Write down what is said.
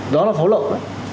đó là pháo lộn